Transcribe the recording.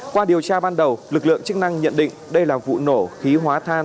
qua điều tra ban đầu lực lượng chức năng nhận định đây là vụ nổ khí hóa than